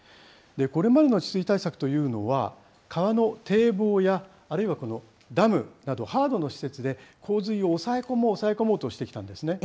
これまでの治水対策というのは、川の堤防や、あるいはこのダムなどハードの施設で、洪水を抑え込もう、抑え込もうとしてきたんですね。